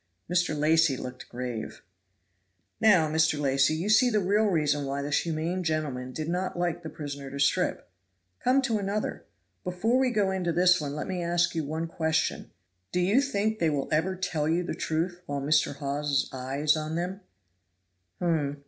Mr. Lacy looked grave. "Now, Mr. Lacy, you see the real reason why this humane gentleman did not like the prisoner to strip. Come to another. Before we go in to this one let me ask you one question: Do you think they will ever tell you the truth while Mr. Hawes's eye is on them?" "Hum!